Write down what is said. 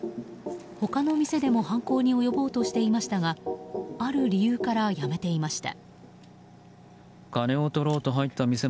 他の店でも犯行に及ぼうとしていましたがある理由からやめていました。